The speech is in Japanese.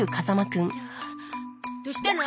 どうしたの？